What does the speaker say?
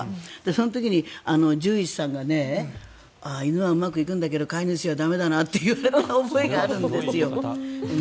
その時に、獣医師さんが犬はうまくいくんだけど飼い主は駄目だなと言われた覚えがあるんですよ。